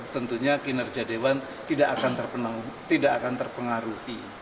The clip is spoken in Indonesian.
tentunya kinerja dewan tidak akan terpengaruhi